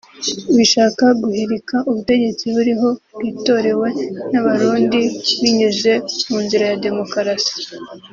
bishaka guhirika ubutegetsi buriho bwitorewe n’Abarundi binyuze mu nzira ya Demokarasi